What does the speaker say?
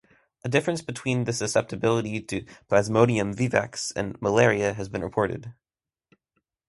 A difference between the susceptibility to "Plasmodium vivax" malaria has been reported.